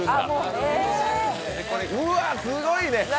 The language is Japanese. うわっ、すごいね。